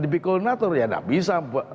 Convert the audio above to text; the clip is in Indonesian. dipikul natur ya nggak bisa